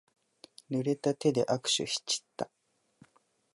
ぬれた手で握手しちった。